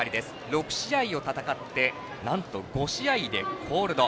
６試合を戦ってなんと５試合でコールド。